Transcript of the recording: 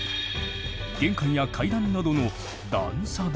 玄関や階段などの段差だ。